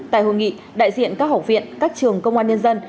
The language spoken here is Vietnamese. tại hội nghị đại diện các học viện các trường công an nhân dân